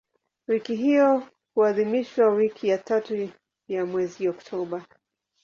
Wiki hiyo huadhimishwa wiki ya tatu ya mwezi Oktoba.